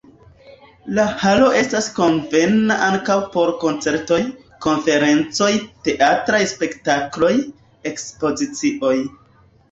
La halo estas konvena ankaŭ por koncertoj, konferencoj, teatraj spektakloj, ekspozicioj.